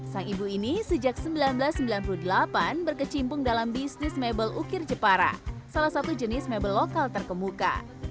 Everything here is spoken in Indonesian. sang ibu ini sejak seribu sembilan ratus sembilan puluh delapan berkecimpung dalam bisnis mebel ukir jepara salah satu jenis mebel lokal terkemuka